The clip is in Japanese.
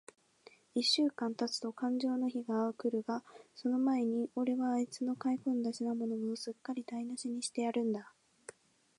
一週間たつとかんじょうの日が来るが、その前に、おれはあいつの買い込んだ品物を、すっかりだいなしにしてやるんだ。